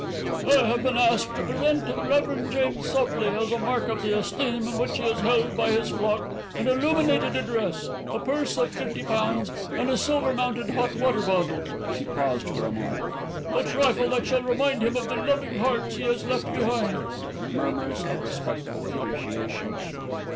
"I have been asked to present to the Rev. James Sopley, as a mark of the esteem in which he is held by his flock, an illuminated address, a purse of fifty pounds, and a silver mounted hot water bottle" she paused for a moment "a trifle that shall remind him of the loving hearts he has left behind. (Murmurs of respectful appreciation.)